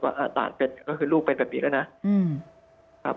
ว่าต่างเป็นก็คือลูกเป็นแบบนี้แล้วนะ